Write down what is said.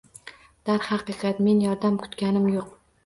Darhaqiqat men yordam kutganim yo’q.